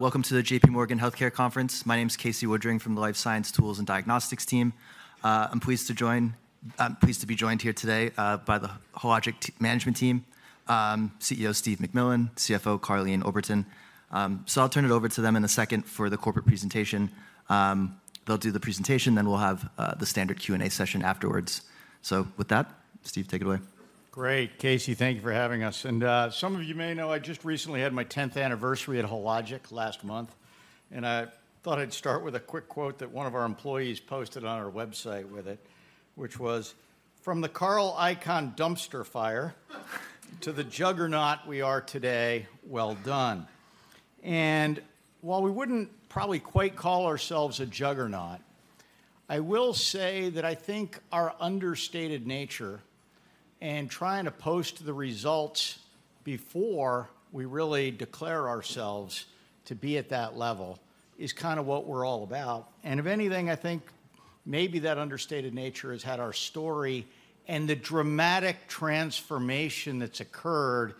Welcome to the JP Morgan Healthcare Conference. My name is Casey Woodring from the Life Science Tools and Diagnostics team. I'm pleased to be joined here today by the Hologic management team, CEO Steve MacMillan, CFO Karleen Oberton. So I'll turn it over to them in a second for the corporate presentation. They'll do the presentation, then we'll have the standard Q&A session afterwards. With that, Steve, take it away. Great, Casey. Thank you for having us. And, some of you may know, I just recently had my tenth anniversary at Hologic last month, and I thought I'd start with a quick quote that one of our employees posted on our website with it, which was: "From the Carl Icahn dumpster fire to the juggernaut we are today, well done." And while we wouldn't probably quite call ourselves a juggernaut, I will say that I think our understated nature and trying to post the results before we really declare ourselves to be at that level is kind of what we're all about. And if anything, I think maybe that understated nature has had our story and the dramatic transformation that's occurred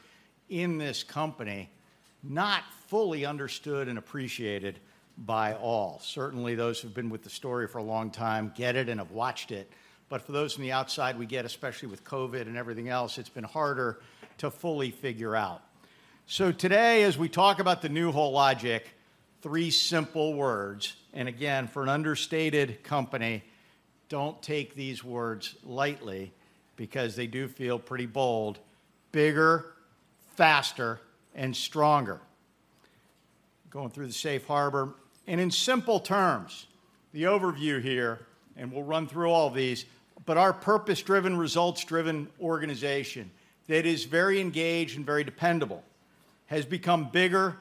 in this company, not fully understood and appreciated by all. Certainly, those who've been with the story for a long time get it and have watched it, but for those on the outside, we get, especially with COVID and everything else, it's been harder to fully figure out. So today, as we talk about the new Hologic, three simple words, and again, for an understated company, don't take these words lightly because they do feel pretty bold: bigger, faster, and stronger. Going through the Safe Harbor, and in simple terms, the overview here, and we'll run through all of these, but our purpose-driven, results-driven organization that is very engaged and very dependable, has become bigger,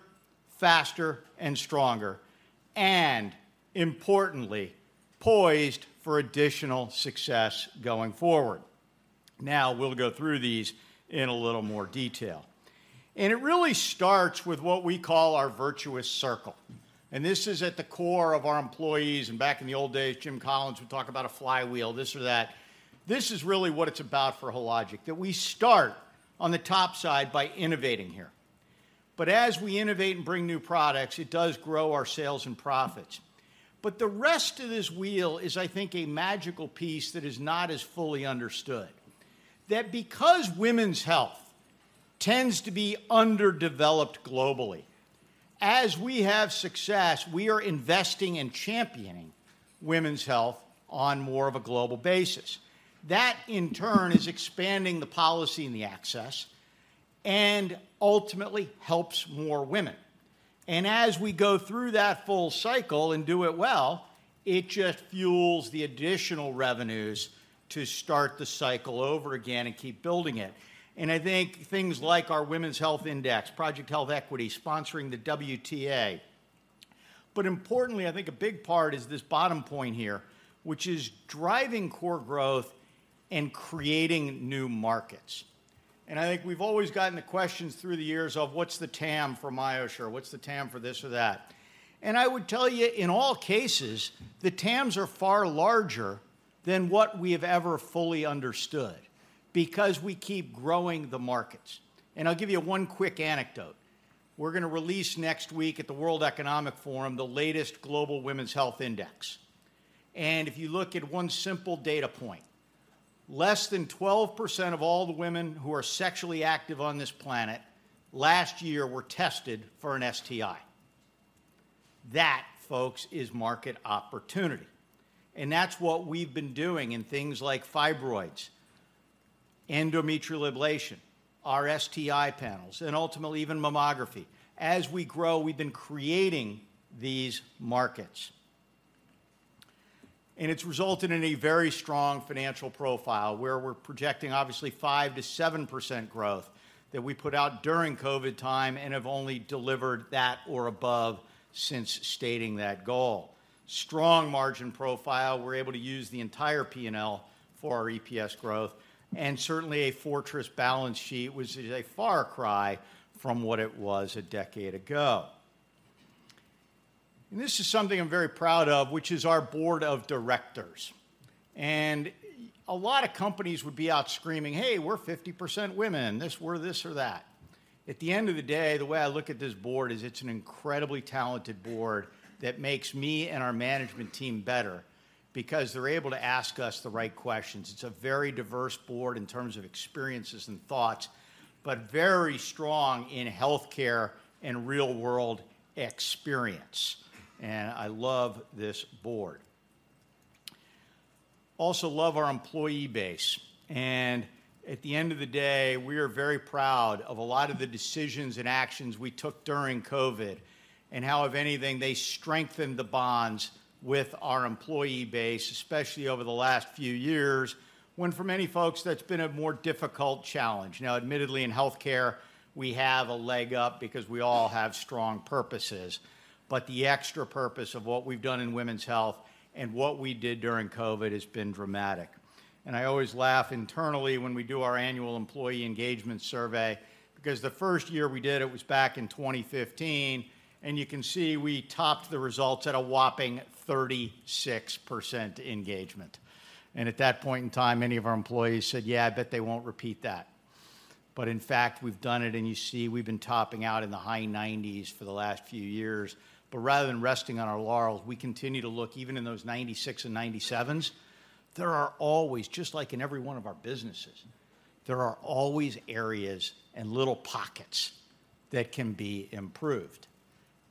faster, and stronger, and importantly, poised for additional success going forward. Now, we'll go through these in a little more detail. And it really starts with what we call our virtuous circle, and this is at the core of our employees. Back in the old days, Jim Collins would talk about a flywheel, this or that. This is really what it's about for Hologic, that we start on the top side by innovating here. But as we innovate and bring new products, it does grow our sales and profits. But the rest of this wheel is, I think, a magical piece that is not as fully understood. That, because women's health tends to be underdeveloped globally, as we have success, we are investing and championing women's health on more of a global basis. That, in turn, is expanding the policy and the access and ultimately helps more women. As we go through that full cycle and do it well, it just fuels the additional revenues to start the cycle over again and keep building it. I think things like our Women's Health Index, Project Health Equity, sponsoring the WTA. But importantly, I think a big part is this bottom point here, which is driving core growth and creating new markets. I think we've always gotten the questions through the years of, "What's the TAM for MyoSure? What's the TAM for this or that?" And I would tell you, in all cases, the TAMs are far larger than what we have ever fully understood because we keep growing the markets. I'll give you one quick anecdote. We're going to release next week at the World Economic Forum, the latest Global Women's Health Index. And if you look at one simple data point, less than 12% of all the women who are sexually active on this planet last year were tested for an STI. That, folks, is market opportunity, and that's what we've been doing in things like fibroids, endometrial ablation, our STI panels, and ultimately, even mammography. As we grow, we've been creating these markets. And it's resulted in a very strong financial profile, where we're projecting, obviously, 5%-7% growth that we put out during COVID time and have only delivered that or above since stating that goal. Strong margin profile. We're able to use the entire P&L for our EPS growth, and certainly a fortress balance sheet, which is a far cry from what it was a decade ago. And this is something I'm very proud of, which is our board of directors. And a lot of companies would be out screaming: Hey, we're 50% women, this, we're this or that. At the end of the day, the way I look at this board is it's an incredibly talented board that makes me and our management team better because they're able to ask us the right questions. It's a very diverse board in terms of experiences and thoughts, but very strong in healthcare and real-world experience. And I love this board. Also love our employee base, and at the end of the day, we are very proud of a lot of the decisions and actions we took during COVID, and how, if anything, they strengthened the bonds with our employee base, especially over the last few years, when for many folks, that's been a more difficult challenge. Now, admittedly, in healthcare, we have a leg up because we all have strong purposes, but the extra purpose of what we've done in women's health and what we did during COVID has been dramatic. And I always laugh internally when we do our annual employee engagement survey, because the first year we did it was back in 2015, and you can see we topped the results at a whopping 36% engagement. And at that point in time, many of our employees said, "Yeah, I bet they won't repeat that."... but in fact, we've done it, and you see we've been topping out in the high 90s for the last few years. But rather than resting on our laurels, we continue to look. Even in those 96 and 97s, there are always, just like in every one of our businesses, there are always areas and little pockets that can be improved.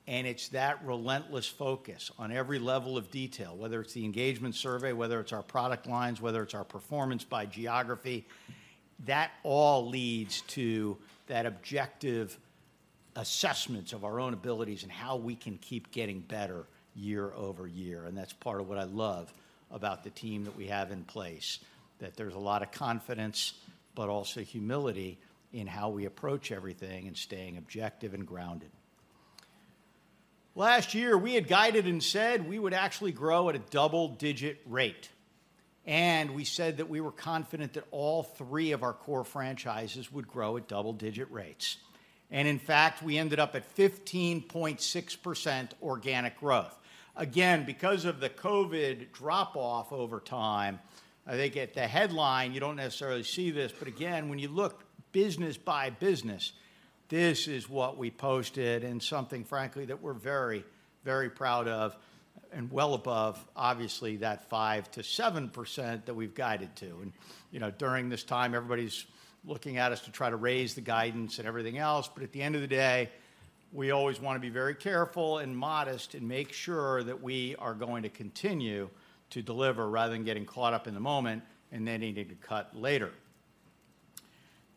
And it's that relentless focus on every level of detail, whether it's the engagement survey, whether it's our product lines, whether it's our performance by geography, that all leads to that objective assessments of our own abilities and how we can keep getting better year-over-year. And that's part of what I love about the team that we have in place, that there's a lot of confidence, but also humility in how we approach everything and staying objective and grounded. Last year, we had guided and said we would actually grow at a double-digit rate, and we said that we were confident that all three of our core franchises would grow at double-digit rates. In fact, we ended up at 15.6% organic growth. Again, because of the COVID drop-off over time, I think at the headline, you don't necessarily see this, but again, when you look business by business, this is what we posted, and something, frankly, that we're very, very proud of and well above, obviously, that 5%-7% that we've guided to. You know, during this time, everybody's looking at us to try to raise the guidance and everything else, but at the end of the day, we always want to be very careful and modest and make sure that we are going to continue to deliver rather than getting caught up in the moment and then needing to cut later.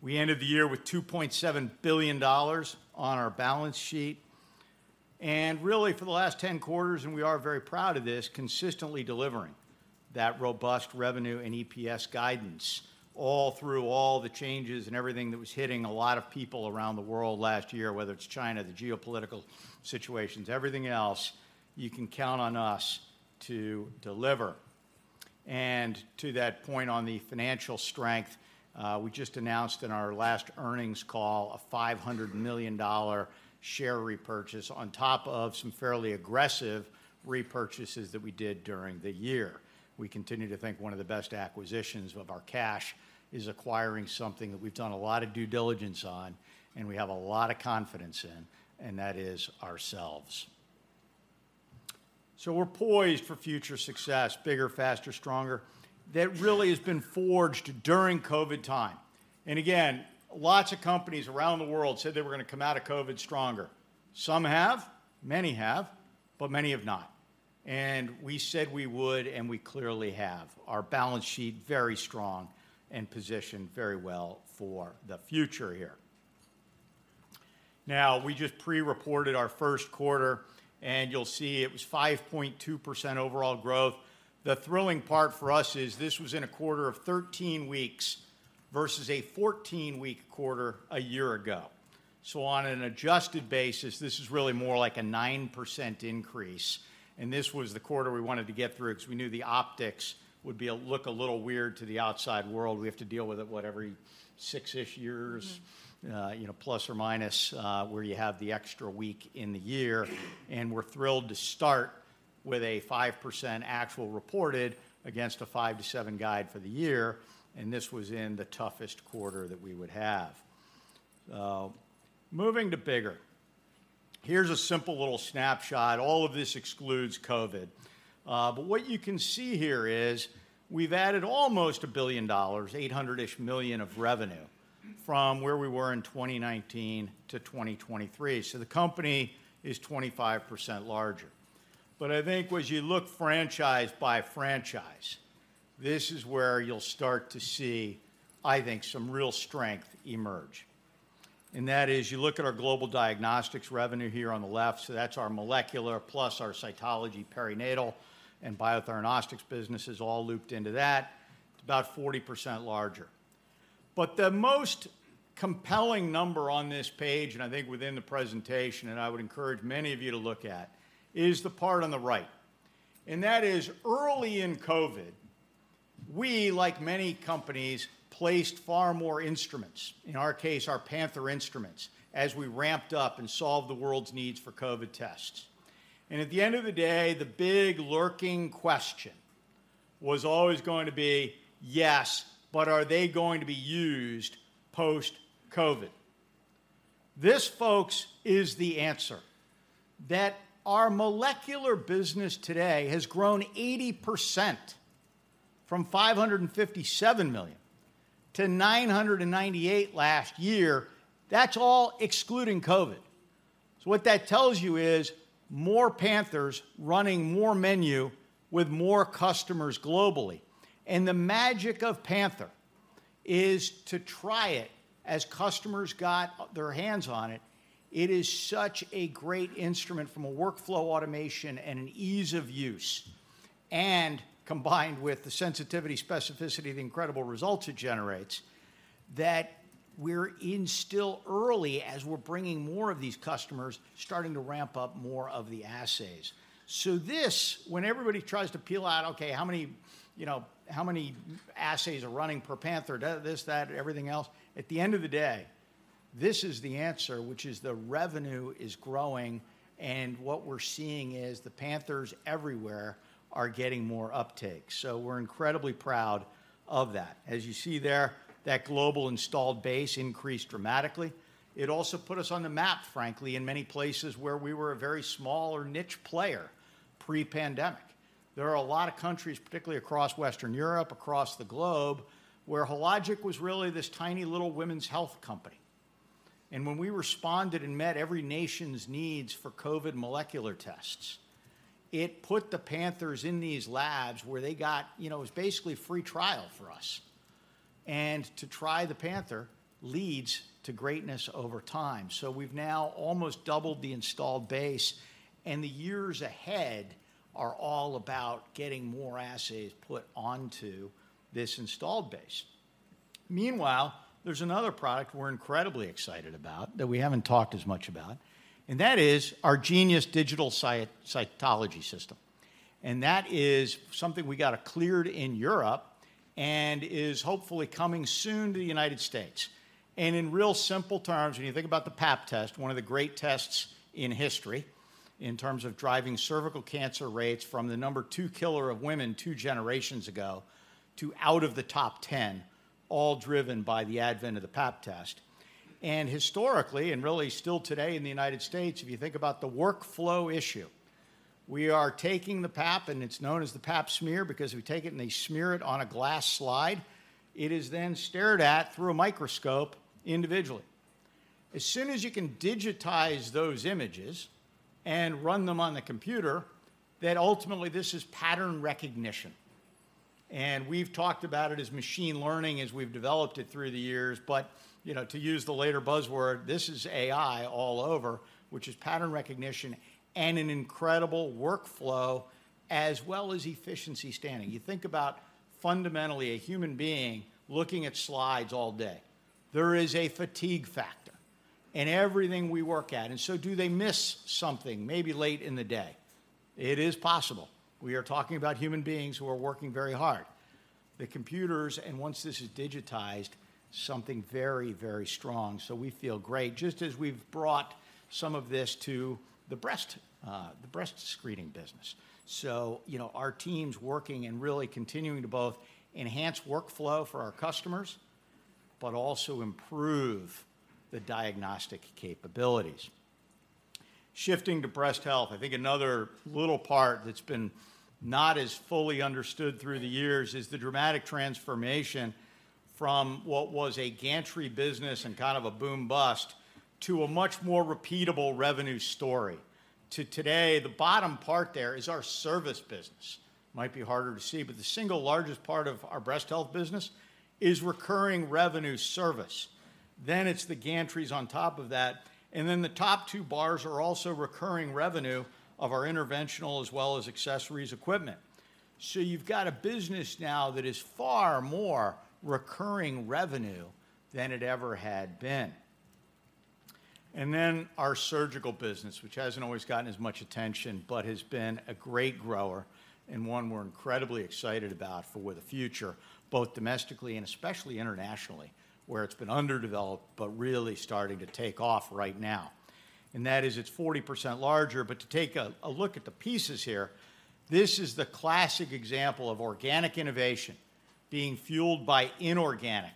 We ended the year with $2.7 billion on our balance sheet, and really, for the last 10 quarters, and we are very proud of this, consistently delivering that robust revenue and EPS guidance all through all the changes and everything that was hitting a lot of people around the world last year, whether it's China, the geopolitical situations, everything else, you can count on us to deliver. To that point on the financial strength, we just announced in our last earnings call a $500 million share repurchase on top of some fairly aggressive repurchases that we did during the year. We continue to think one of the best acquisitions of our cash is acquiring something that we've done a lot of due diligence on and we have a lot of confidence in, and that is ourselves. So we're poised for future success, bigger, faster, stronger. That really has been forged during COVID time. And again, lots of companies around the world said they were going to come out of COVID stronger. Some have, many have, but many have not. And we said we would, and we clearly have. Our balance sheet, very strong and positioned very well for the future here. Now, we just pre-reported our first quarter, and you'll see it was 5.2% overall growth. The thrilling part for us is this was in a quarter of 13 weeks versus a 14-week quarter a year ago. So on an adjusted basis, this is really more like a 9% increase, and this was the quarter we wanted to get through because we knew the optics would look a little weird to the outside world. We have to deal with it what, every six-ish years- Mm-hmm.... you know, plus or minus, where you have the extra week in the year. We're thrilled to start with a 5% actual reported against a 5%-7% guide for the year, and this was in the toughest quarter that we would have. So moving to bigger, here's a simple little snapshot. All of this excludes COVID. But what you can see here is we've added almost $1 billion, $800-ish million of revenue from where we were in 2019 to 2023. So the company is 25% larger. But I think as you look franchise by franchise, this is where you'll start to see, I think, some real strength emerge. That is, you look at our global diagnostics revenue here on the left, so that's our molecular plus our cytology, perinatal, and Biotheranostics businesses all looped into that, about 40% larger. But the most compelling number on this page, and I think within the presentation, and I would encourage many of you to look at, is the part on the right, and that is early in COVID, we, like many companies, placed far more instruments, in our case, our Panther instruments, as we ramped up and solved the world's needs for COVID tests. At the end of the day, the big lurking question was always going to be: Yes, but are they going to be used post-COVID? This, folks, is the answer, that our molecular business today has grown 80% from $557 million-$998 million last year. That's all excluding COVID. So what that tells you is more Panthers running more menu with more customers globally. And the magic of Panther is to try it. As customers got their hands on it, it is such a great instrument from a workflow, automation, and an ease of use, and combined with the sensitivity, specificity, the incredible results it generates, that we're in still early as we're bringing more of these customers, starting to ramp up more of the assays. So this, when everybody tries to peel out, okay, how many, you know, how many assays are running per Panther, this, that, and everything else? At the end of the day, this is the answer, which is the revenue is growing, and what we're seeing is the Panthers everywhere are getting more uptake. So we're incredibly proud of that. As you see there, that global installed base increased dramatically. It also put us on the map, frankly, in many places where we were a very small or niche player pre-pandemic. There are a lot of countries, particularly across Western Europe, across the globe, where Hologic was really this tiny little women's health company. And when we responded and met every nation's needs for COVID molecular tests, it put the Panther in these labs where they got, you know, it was basically a free trial for us. And to try the Panther leads to greatness over time. So we've now almost doubled the installed base, and the years ahead are all about getting more assays put onto this installed base. Meanwhile, there's another product we're incredibly excited about that we haven't talked as much about, and that is our Genius Digital Cytology System. And that is something we got cleared in Europe and is hopefully coming soon to the United States. And in real simple terms, when you think about the Pap test, one of the great tests in history in terms of driving cervical cancer rates from the number two killer of women two generations ago to out of the top ten, all driven by the advent of the Pap test. And historically, and really still today in the United States, if you think about the workflow issue, we are taking the Pap, and it's known as the Pap smear because we take it and they smear it on a glass slide. It is then stared at through a microscope individually. As soon as you can digitize those images and run them on the computer, then ultimately, this is pattern recognition. And we've talked about it as machine learning as we've developed it through the years, but, you know, to use the later buzzword, this is AI all over, which is pattern recognition and an incredible workflow, as well as efficiency standing. You think about fundamentally a human being looking at slides all day. There is a fatigue factor in everything we work at. And so do they miss something maybe late in the day? It is possible. We are talking about human beings who are working very hard. The computers, and once this is digitized, something very, very strong. So we feel great, just as we've brought some of this to the breast, the breast screening business. So, you know, our team's working and really continuing to both enhance workflow for our customers, but also improve the diagnostic capabilities. Shifting to breast health, I think another little part that's been not as fully understood through the years is the dramatic transformation from what was a gantry business and kind of a boom-bust to a much more repeatable revenue story. To today, the bottom part there is our service business. Might be harder to see, but the single largest part of our breast health business is recurring revenue service. Then it's the gantries on top of that, and then the top two bars are also recurring revenue of our interventional as well as accessories equipment. So you've got a business now that is far more recurring revenue than it ever had been. And then our surgical business, which hasn't always gotten as much attention, but has been a great grower and one we're incredibly excited about for the future, both domestically and especially internationally, where it's been underdeveloped, but really starting to take off right now. And that is, it's 40% larger. But to take a look at the pieces here, this is the classic example of organic innovation being fueled by inorganic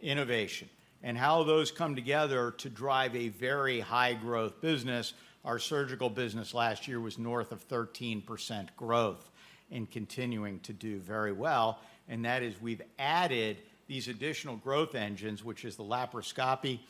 innovation and how those come together to drive a very high-growth business. Our surgical business last year was north of 13% growth and continuing to do very well, and that is we've added these additional growth engines, which is the laparoscopy,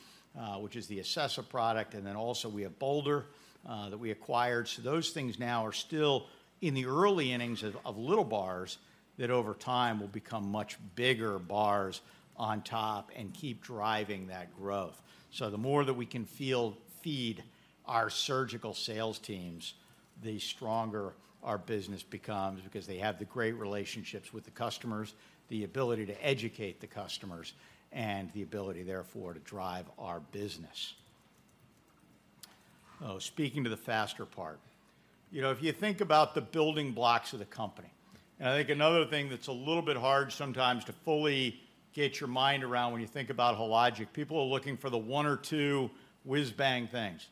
which is the Acessa product, and then also we have Bolder that we acquired. So those things now are still in the early innings of little bars that over time will become much bigger bars on top and keep driving that growth. So the more that we can feed our surgical sales teams, the stronger our business becomes, because they have the great relationships with the customers, the ability to educate the customers, and the ability, therefore, to drive our business. Oh, speaking to the faster part, you know, if you think about the building blocks of the company, and I think another thing that's a little bit hard sometimes to fully get your mind around when you think about Hologic, people are looking for the one or two whiz-bang things.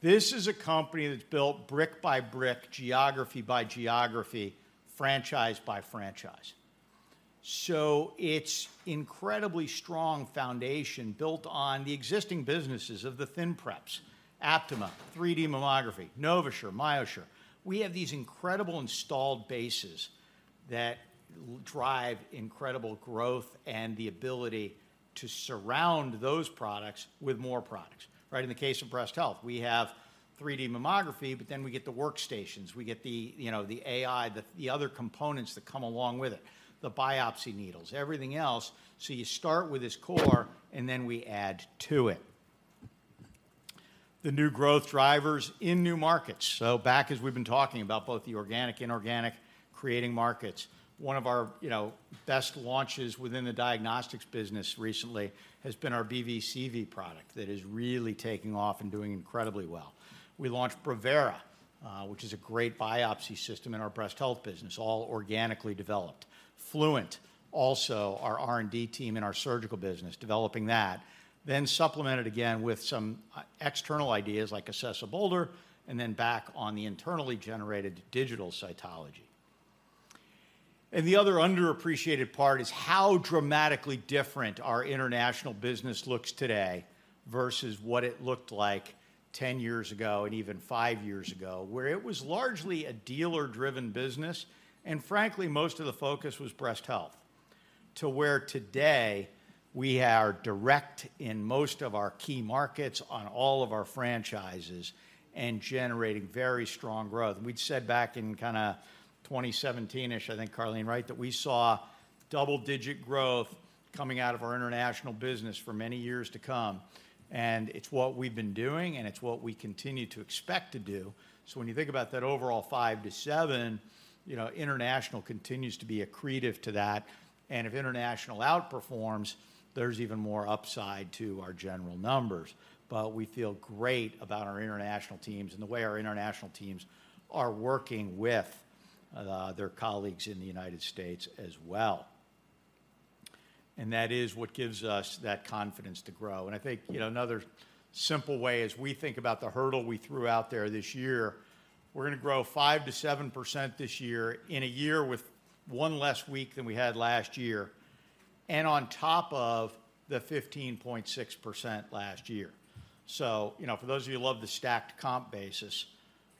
This is a company that's built brick by brick, geography by geography, franchise by franchise. So it's an incredibly strong foundation built on the existing businesses of the ThinPrep, Aptima, 3D Mammography, NovaSure, MyoSure. We have these incredible installed bases that drive incredible growth and the ability to surround those products with more products. Right, in the case of breast health, we have 3D Mammography, but then we get the workstations, we get the, you know, the AI, the other components that come along with it, the biopsy needles, everything else. So you start with this core, and then we add to it. The new growth drivers in new markets. So back as we've been talking about both the organic, inorganic, creating markets, one of our, you know, best launches within the diagnostics business recently has been our BV/CV product. That is really taking off and doing incredibly well. We launched Brevera.... which is a great biopsy system in our breast health business, all organically developed. Fluent, also our R&D team in our surgical business, developing that, then supplemented again with some, external ideas like Acessa, Bolder, and then back on the internally generated digital cytology. The other underappreciated part is how dramatically different our international business looks today versus what it looked like 10 years ago and even 5 years ago, where it was largely a dealer-driven business, and frankly, most of the focus was breast health, to where today we are direct in most of our key markets on all of our franchises and generating very strong growth. We'd said back in kinda 2017-ish, I think, Karleen, right, that we saw double-digit growth coming out of our international business for many years to come, and it's what we've been doing, and it's what we continue to expect to do. So when you think about that overall 5-7, you know, international continues to be accretive to that, and if international outperforms, there's even more upside to our general numbers. But we feel great about our international teams and the way our international teams are working with their colleagues in the United States as well. And that is what gives us that confidence to grow. And I think, you know, another simple way is we think about the hurdle we threw out there this year. We're gonna grow 5%-7% this year in a year with one less week than we had last year, and on top of the 15.6% last year. So, you know, for those of you who love the stacked comp basis,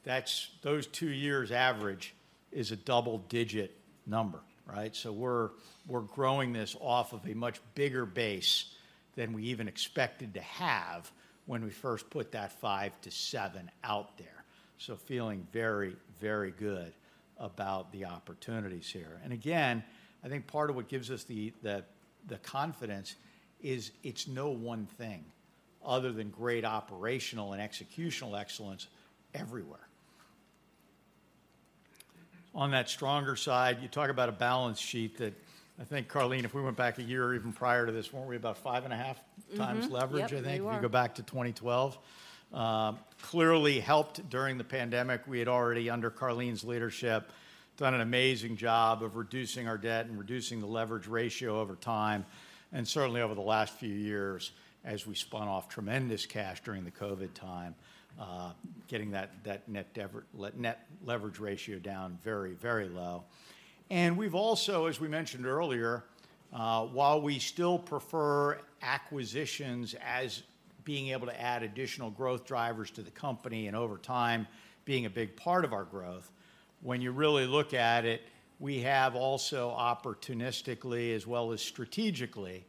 that's, those two years' average is a double-digit number, right? So we're, we're growing this off of a much bigger base than we even expected to have when we first put that 5-7 out there. So feeling very, very good about the opportunities here. And again, I think part of what gives us the, the, the confidence is it's no one thing other than great operational and executional excellence everywhere. On that stronger side, you talk about a balance sheet that I think, Karleen, if we went back a year or even prior to this, weren't we about 5.5 times leverage? Mm-hmm. Yep, we were. I think, if you go back to 2012. Clearly helped during the pandemic. We had already, under Karleen's leadership, done an amazing job of reducing our debt and reducing the leverage ratio over time, and certainly over the last few years as we spun off tremendous cash during the COVID time, getting that net leverage ratio down very, very low. And we've also, as we mentioned earlier, while we still prefer acquisitions as being able to add additional growth drivers to the company and over time, being a big part of our growth, when you really look at it, we have also opportunistically, as well as strategically,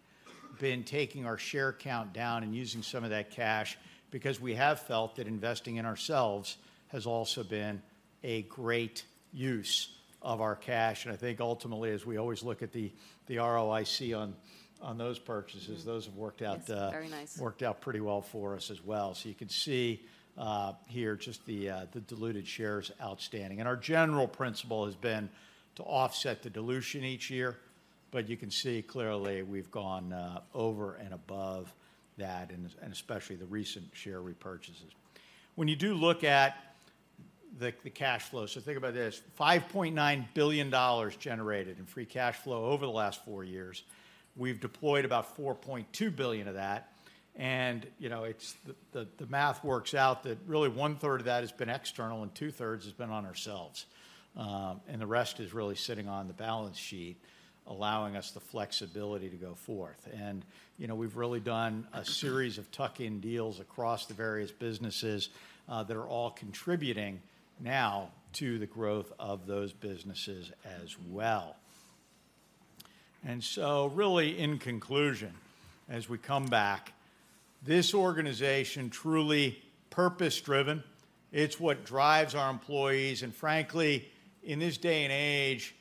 been taking our share count down and using some of that cash because we have felt that investing in ourselves has also been a great use of our cash. And I think ultimately, as we always look at the, the ROIC on, on those purchases- Mm-hmm... those have worked out- Yes, very nice... worked out pretty well for us as well. So you can see, here just the, the diluted shares outstanding. Our general principle has been to offset the dilution each year, but you can see clearly we've gone over and above that, and especially the recent share repurchases. When you do look at the cash flow, so think about this, $5.9 billion generated in free cash flow over the last four years. We've deployed about $4.2 billion of that, and, you know, it's the math works out that really one-third of that has been external and two-thirds has been on ourselves. And the rest is really sitting on the balance sheet, allowing us the flexibility to go forth. And, you know, we've really done a series of tuck-in deals across the various businesses that are all contributing now to the growth of those businesses as well. So really, in conclusion, as we come back, this organization, truly purpose-driven, it's what drives our employees. Frankly, in this day and age,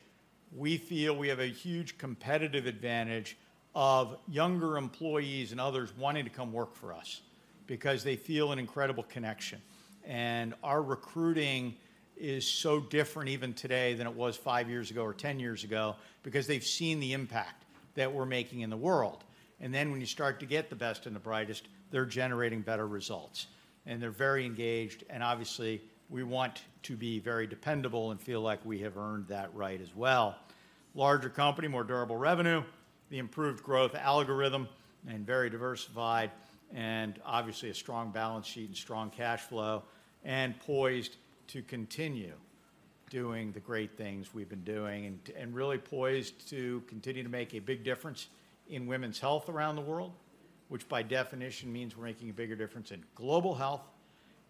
we feel we have a huge competitive advantage of younger employees and others wanting to come work for us because they feel an incredible connection. Our recruiting is so different even today than it was 5 years ago or 10 years ago because they've seen the impact that we're making in the world. Then when you start to get the best and the brightest, they're generating better results, and they're very engaged, and obviously, we want to be very dependable and feel like we have earned that right as well. Larger company, more durable revenue, the improved growth algorithm, and very diversified, and obviously a strong balance sheet and strong cash flow, and poised to continue doing the great things we've been doing, and, and really poised to continue to make a big difference in women's health around the world, which by definition means we're making a bigger difference in global health,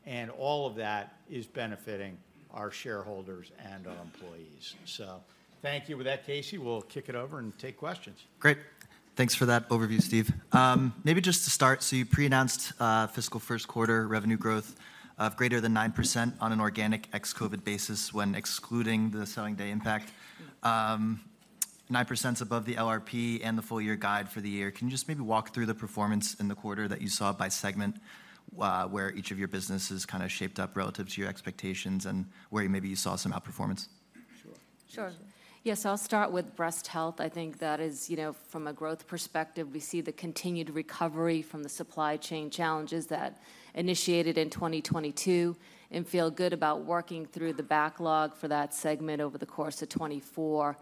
and all of that is benefiting our shareholders and our employees. So thank you. With that, Casey, we'll kick it over and take questions. Great. Thanks for that overview, Steve. Maybe just to start, so you pre-announced fiscal first quarter revenue growth of greater than 9% on an organic ex-COVID basis when excluding the selling day impact. 9% is above the LRP and the full-year guide for the year. Can you just maybe walk through the performance in the quarter that you saw by segment, where each of your businesses kinda shaped up relative to your expectations and where maybe you saw some outperformance?... Sure. Yes, I'll start with breast health. I think that is, you know, from a growth perspective, we see the continued recovery from the supply chain challenges that initiated in 2022, and feel good about working through the backlog for that segment over the course of 2024.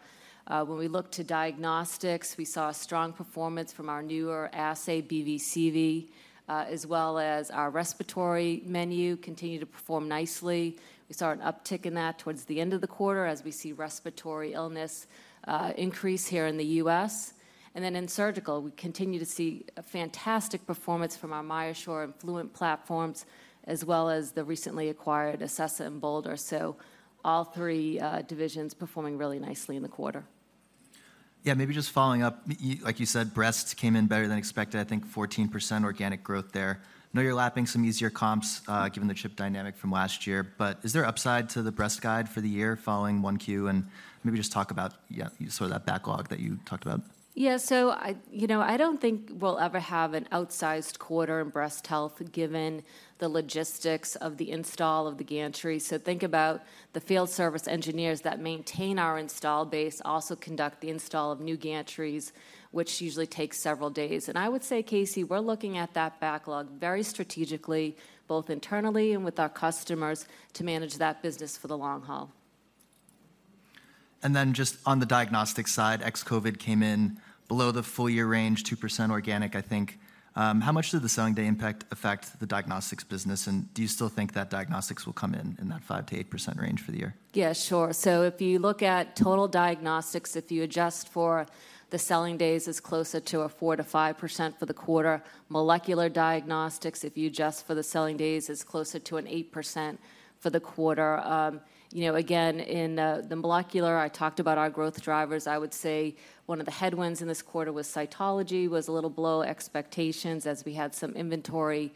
When we look to diagnostics, we saw a strong performance from our newer assay, BV/CV, as well as our respiratory menu continued to perform nicely. We saw an uptick in that towards the end of the quarter as we see respiratory illness increase here in the U.S. And then in surgical, we continue to see a fantastic performance from our MyoSure and Fluent platforms, as well as the recently acquired Acessa and Bolder. So all three divisions performing really nicely in the quarter. Yeah, maybe just following up. You, like you said, breasts came in better than expected, I think 14% organic growth there. I know you're lapping some easier comps, given the chip dynamic from last year, but is there upside to the breast guide for the year following 1Q? And maybe just talk about, yeah, sort of that backlog that you talked about. Yeah. So, you know, I don't think we'll ever have an outsized quarter in breast health, given the logistics of the install of the gantry. So think about the field service engineers that maintain our install base, also conduct the install of new gantries, which usually takes several days. And I would say, Casey, we're looking at that backlog very strategically, both internally and with our customers, to manage that business for the long haul. And then just on the diagnostic side, ex-COVID came in below the full year range, 2% organic, I think. How much did the selling day impact affect the diagnostics business? And do you still think that diagnostics will come in in that 5%-8% range for the year? Yeah, sure. So if you look at total diagnostics, if you adjust for the selling days, it's closer to a 4%-5% for the quarter. Molecular diagnostics, if you adjust for the selling days, is closer to an 8% for the quarter. You know, again, in the molecular, I talked about our growth drivers. I would say one of the headwinds in this quarter was cytology was a little below expectations as we had some inventory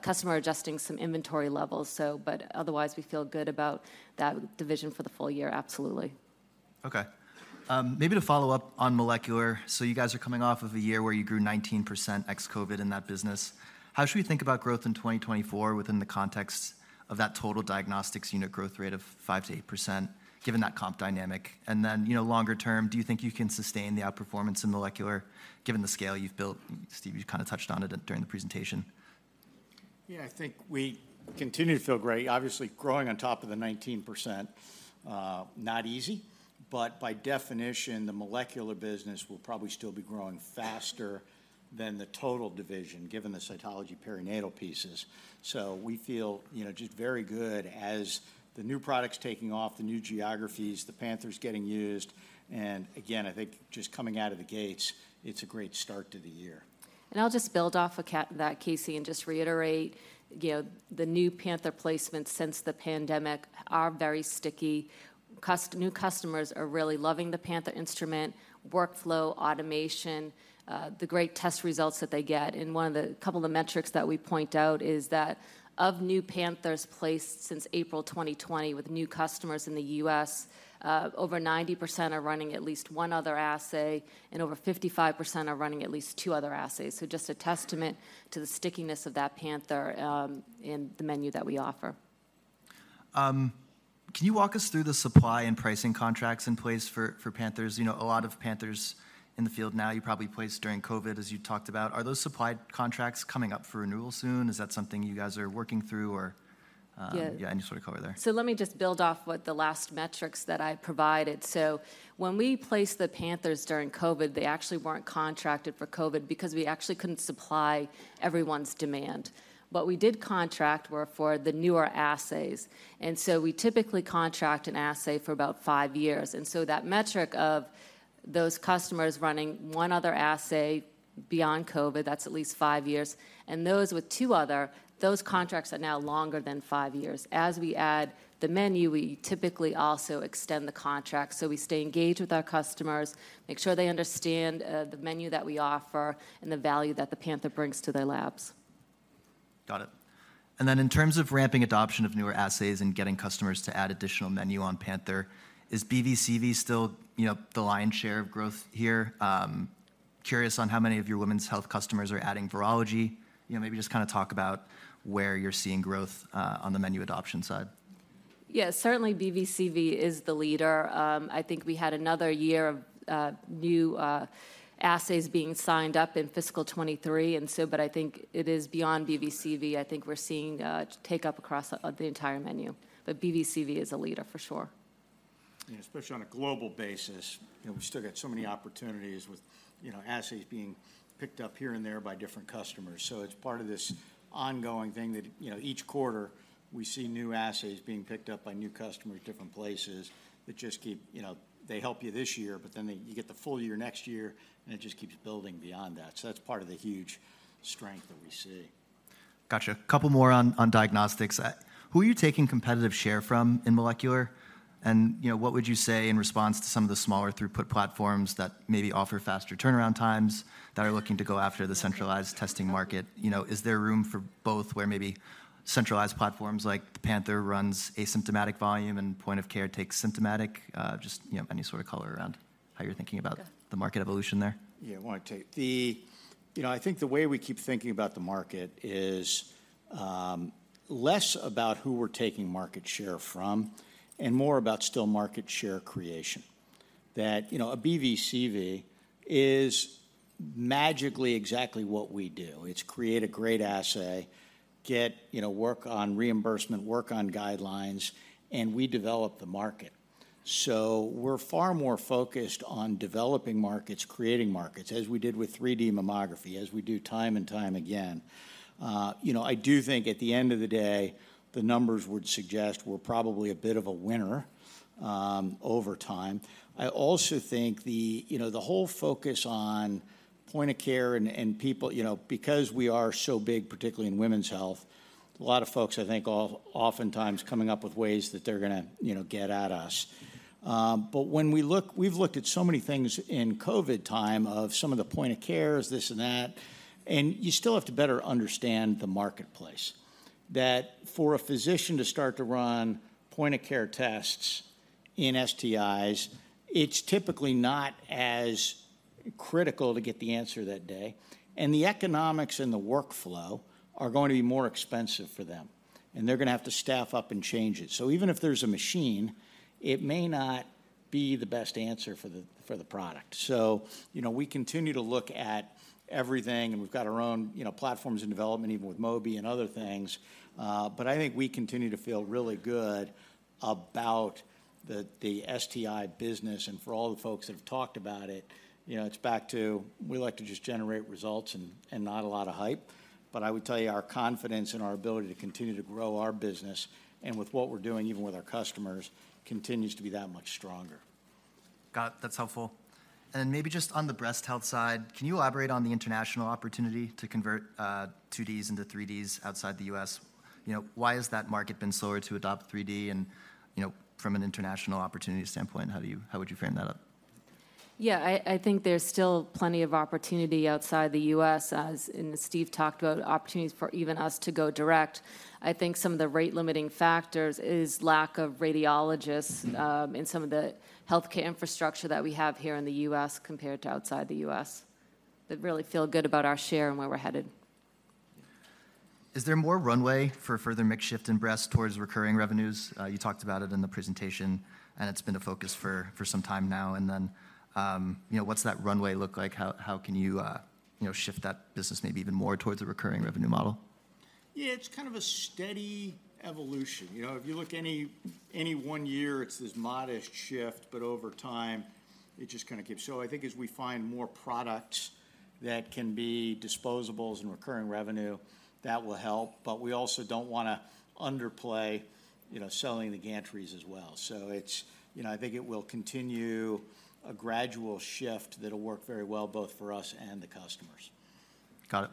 customer adjusting some inventory levels. So, but otherwise, we feel good about that division for the full year. Absolutely. Okay. Maybe to follow up on molecular. So you guys are coming off of a year where you grew 19% ex-COVID in that business. How should we think about growth in 2024 within the context of that total diagnostics unit growth rate of 5%-8%, given that comp dynamic? And then, you know, longer term, do you think you can sustain the outperformance in molecular given the scale you've built? Steve, you kind of touched on it during the presentation. Yeah, I think we continue to feel great. Obviously, growing on top of the 19%, not easy, but by definition, the molecular business will probably still be growing faster than the total division, given the cytology perinatal pieces. So we feel, you know, just very good as the new products taking off, the new geographies, the Panthers getting used, and again, I think just coming out of the gates, it's a great start to the year. I'll just build off that, Casey, and just reiterate, you know, the new Panther placements since the pandemic are very sticky. New customers are really loving the Panther instrument, workflow, automation, the great test results that they get. And one of the couple of the metrics that we point out is that of new Panthers placed since April 2020, with new customers in the U.S., over 90% are running at least one other assay, and over 55% are running at least two other assays. So just a testament to the stickiness of that Panther, in the menu that we offer. Can you walk us through the supply and pricing contracts in place for Panthers? You know, a lot of Panthers in the field now, you probably placed during COVID, as you talked about. Are those supply contracts coming up for renewal soon? Is that something you guys are working through or, Yeah... Yeah, any sort of cover there. So let me just build off what the last metrics that I provided. So when we placed the Panther during COVID, they actually weren't contracted for COVID because we actually couldn't supply everyone's demand. What we did contract were for the newer assays, and so we typically contract an assay for about five years. And so that metric of those customers running one other assay beyond COVID, that's at least five years. And those with two other, those contracts are now longer than five years. As we add the menu, we typically also extend the contract. So we stay engaged with our customers, make sure they understand the menu that we offer and the value that the Panther brings to their labs. Got it. And then in terms of ramping adoption of newer assays and getting customers to add additional menu on Panther, is BV/CV still, you know, the lion's share of growth here? Curious on how many of your women's health customers are adding virology. You know, maybe just kind of talk about where you're seeing growth on the menu adoption side. Yeah, certainly BV/CV is the leader. I think we had another year of new assays being signed up in fiscal 2023, and so, but I think it is beyond BV/CV. I think we're seeing take up across the entire menu, but BV/CV is a leader for sure. Yeah, especially on a global basis. You know, we still got so many opportunities with, you know, assays being picked up here and there by different customers. So it's part of this ongoing thing that, you know, each quarter we see new assays being picked up by new customers, different places, that just keep... You know, they help you this year, but then you get the full year next year, and it just keeps building beyond that. So that's part of the huge strength that we see. Gotcha. A couple more on diagnostics. Who are you taking competitive share from in molecular? And, you know, what would you say in response to some of the smaller throughput platforms that maybe offer faster turnaround times that are looking to go after the centralized testing market? You know, is there room for both, where maybe centralized platforms like the Panther runs asymptomatic volume and point-of-care takes symptomatic? Just, you know, any sort of color around... how you're thinking about- Yeah. the market evolution there? You know, I think the way we keep thinking about the market is, less about who we're taking market share from and more about still market share creation. That, you know, a BV/CV is magically exactly what we do. It's create a great assay, get, you know, work on reimbursement, work on guidelines, and we develop the market. So we're far more focused on developing markets, creating markets, as we did with 3D Mammography, as we do time and time again. You know, I do think at the end of the day, the numbers would suggest we're probably a bit of a winner, over time. I also think the, you know, the whole focus on point of care and people, you know, because we are so big, particularly in women's health, a lot of folks, I think, oftentimes coming up with ways that they're gonna, you know, get at us. But when we've looked at so many things in COVID time of some of the point of cares, this and that, and you still have to better understand the marketplace. That for a physician to start to run point of care tests in STIs, it's typically not as critical to get the answer that day, and the economics and the workflow are going to be more expensive for them, and they're gonna have to staff up and change it. So even if there's a machine, it may not be the best answer for the product. So, you know, we continue to look at everything, and we've got our own, you know, platforms in development, even with Mobi and other things. But I think we continue to feel really good about the, the STI business. And for all the folks that have talked about it, you know, it's back to we like to just generate results and, and not a lot of hype. But I would tell you, our confidence in our ability to continue to grow our business and with what we're doing, even with our customers, continues to be that much stronger. Got it. That's helpful. Then maybe just on the breast health side, can you elaborate on the international opportunity to convert 2Ds into 3Ds outside the U.S.? You know, why has that market been slower to adopt 3D? And, you know, from an international opportunity standpoint, how would you frame that up? Yeah, I think there's still plenty of opportunity outside the U.S., as and Steve talked about opportunities for even us to go direct. I think some of the rate-limiting factors is lack of radiologists in some of the healthcare infrastructure that we have here in the U.S. compared to outside the U.S. But really feel good about our share and where we're headed. Is there more runway for further mix shift in breast towards recurring revenues? You talked about it in the presentation, and it's been a focus for some time now. And then, you know, what's that runway look like? How can you, you know, shift that business maybe even more towards a recurring revenue model? Yeah, it's kind of a steady evolution. You know, if you look any, any one year, it's this modest shift, but over time, it just kind of keeps... So I think as we find more products that can be disposables and recurring revenue, that will help. But we also don't wanna underplay, you know, selling the gantries as well. So it's, you know, I think it will continue a gradual shift that'll work very well, both for us and the customers. Got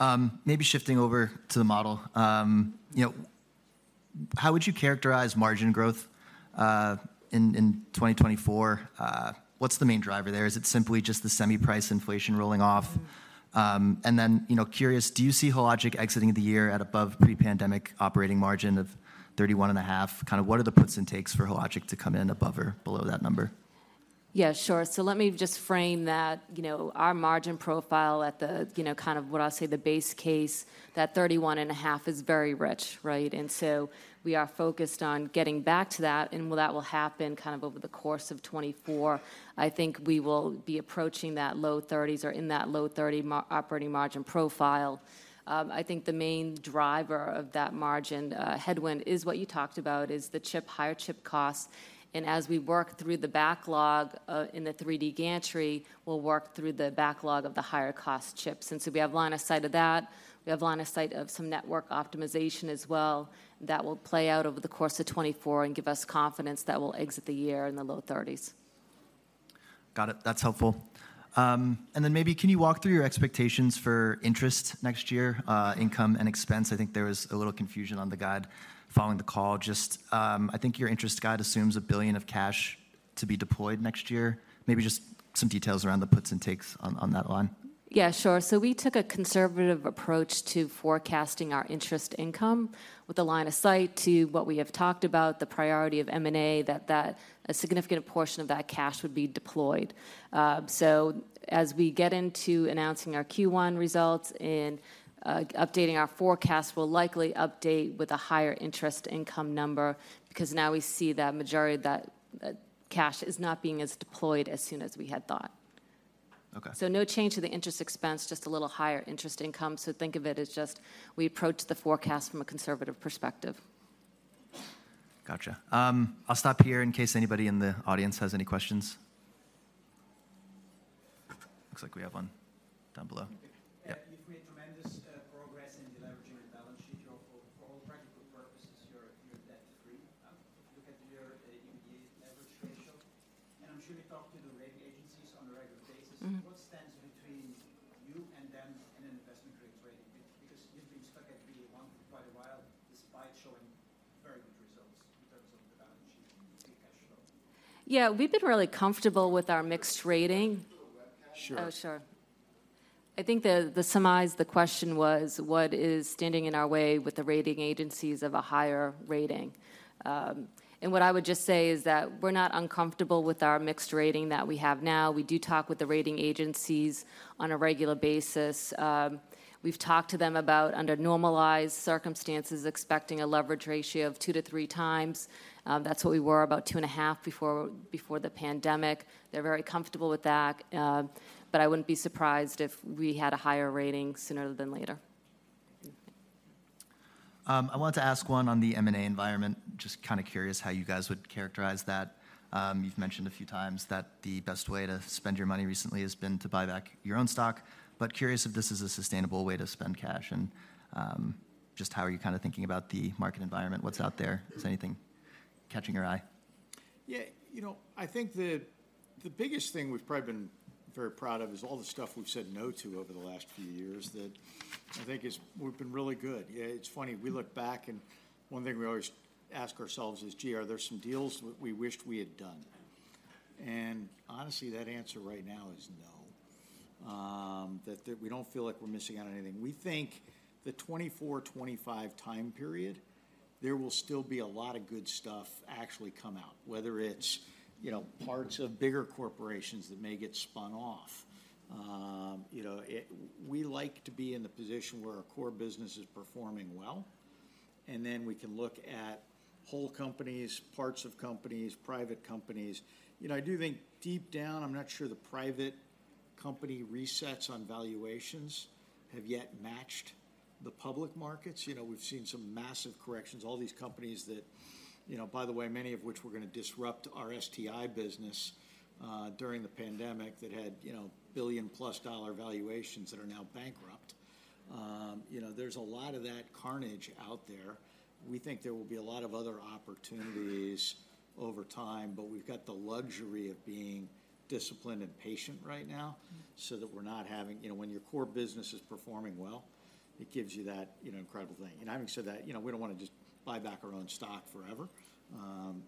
it. Maybe shifting over to the model. You know, how would you characterize margin growth in 2024? What's the main driver there? Is it simply just the semi price inflation rolling off? And then, you know, curious, do you see Hologic exiting the year at above pre-pandemic operating margin of 31.5%? Kind of what are the puts and takes for Hologic to come in above or below that number? Yeah, sure. So let me just frame that. You know, our margin profile at the, you know, kind of what I'll say, the base case, that 31.5 is very rich, right? And so we are focused on getting back to that, and well, that will happen kind of over the course of 2024. I think we will be approaching that low 30s or in that low 30 margin operating margin profile. I think the main driver of that margin headwind is what you talked about, is the chip, higher chip costs. And as we work through the backlog in the 3D gantry, we'll work through the backlog of the higher-cost chips. And so we have line of sight of that. We have line of sight of some network optimization as well. That will play out over the course of 2024 and give us confidence that we'll exit the year in the low 30s. Got it. That's helpful. And then maybe can you walk through your expectations for interest next year, income and expense? I think there was a little confusion on the guide following the call. Just, I think your interest guide assumes $1 billion of cash to be deployed next year. Maybe just some details around the puts and takes on that line. Yeah, sure. So we took a conservative approach to forecasting our interest income with a line of sight to what we have talked about, the priority of M&A, that, that a significant portion of that cash would be deployed. So as we get into announcing our Q1 results and, updating our forecast, we'll likely update with a higher interest income number because now we see that majority of that, cash is not being as deployed as soon as we had thought. Okay. No change to the interest expense, just a little higher interest income. Think of it as just we approach the forecast from a conservative perspective. Gotcha. I'll stop here in case anybody in the audience has any questions. Looks like we have one down below. That's what we were, about 2.5 before the pandemic. They're very comfortable with that, but I wouldn't be surprised if we had a higher rating sooner than later. I wanted to ask one on the M&A environment. Just kind of curious how you guys would characterize that. You've mentioned a few times that the best way to spend your money recently has been to buy back your own stock. But curious if this is a sustainable way to spend cash, and, just how are you kind of thinking about the market environment? What's out there? Is anything catching your eye? Yeah, you know, I think the biggest thing we've probably been very proud of is all the stuff we've said no to over the last few years that I think is, we've been really good. Yeah, it's funny, we look back, and one thing we always ask ourselves is: Gee, are there some deals we wished we had done? And honestly, that answer right now is no. That we don't feel like we're missing out on anything. We think the 2024, 2025 time period, there will still be a lot of good stuff actually come out, whether it's, you know, parts of bigger corporations that may get spun off. You know, it, we like to be in the position where our core business is performing well, and then we can look at whole companies, parts of companies, private companies. You know, I do think deep down, I'm not sure the private company resets on valuations have yet matched the public markets. You know, we've seen some massive corrections. All these companies that, you know, by the way, many of which were going to disrupt our STI business during the pandemic, that had, you know, $1 billion+ valuations that are now bankrupt. There's a lot of that carnage out there. We think there will be a lot of other opportunities over time, but we've got the luxury of being disciplined and patient right now- Mm-hmm. - so that we're not having... You know, when your core business is performing well, it gives you that, you know, incredible thing. And having said that, you know, we don't want to just buy back our own stock forever.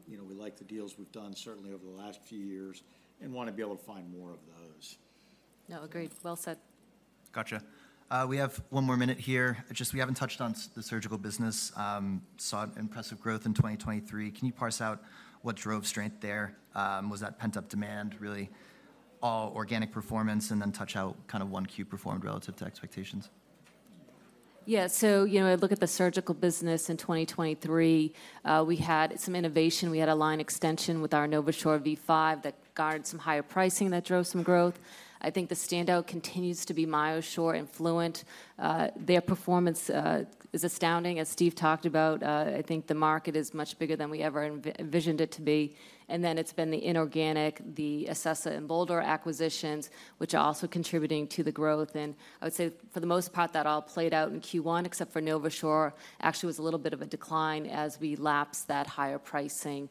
You know, we like the deals we've done certainly over the last few years and want to be able to find more of those. No, agreed. Well said. Gotcha. We have one more minute here. Just we haven't touched on the surgical business. Saw impressive growth in 2023. Can you parse out what drove strength there? Was that pent-up demand really all organic performance? And then touch how kind of Q1 performed relative to expectations. Yeah. So, you know, I look at the surgical business in 2023, we had some innovation. We had a line extension with our NovaSure V5 that garnered some higher pricing, that drove some growth. I think the standout continues to be MyoSure and Fluent. Their performance is astounding. As Steve talked about, I think the market is much bigger than we ever envisioned it to be. And then it's been the inorganic, the Acessa and Bolder acquisitions, which are also contributing to the growth. And I would say, for the most part, that all played out in Q1, except for NovaSure, actually was a little bit of a decline as we lapsed that higher pricing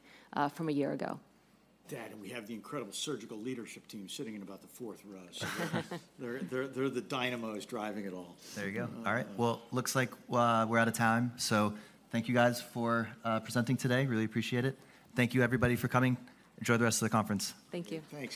from a year ago. That, and we have the incredible surgical leadership team sitting in about the fourth row, so they're the dynamos driving it all. There you go. All right. Well, looks like we're out of time, so thank you guys for presenting today. Really appreciate it. Thank you, everybody, for coming. Enjoy the rest of the conference. Thank you. Thanks.